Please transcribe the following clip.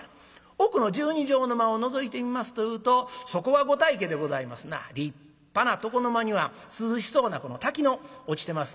奥の１２畳の間をのぞいてみますというとそこは御大家でございますな立派な床の間には涼しそうなこの滝の落ちてます